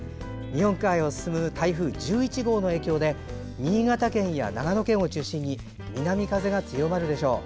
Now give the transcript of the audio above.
日本海を進む台風１１号の影響で新潟県や長野県を中心に南風が強まるでしょう。